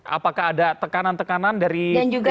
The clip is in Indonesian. apakah ada tekanan tekanan dari